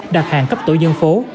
đặt hàng cấp tổ dân phố